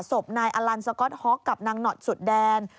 ศพนายอลันสก๊อตฮ็อกกับนางหนอดสุดแดน